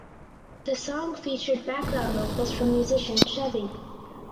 The song featured background vocals from musician Chevy.